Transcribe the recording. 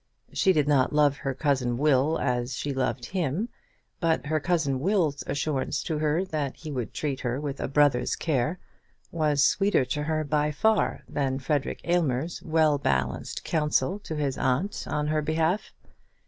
She did not love her cousin Will as she loved him; but her cousin Will's assurance to her that he would treat her with a brother's care was sweeter to her by far than Frederic Aylmer's well balanced counsel to his aunt on her behalf.